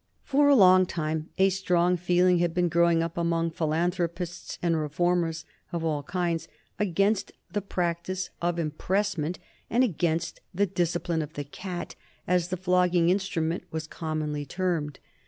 For a long time a strong feeling had been growing up among philanthropists and reformers of all kinds against the practice of impressment and against the discipline of the "cat," as the flogging instrument was commonly termed.